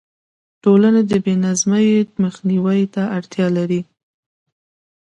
ټولنې د بې نظمۍ مخنیوي ته اړتیا لري.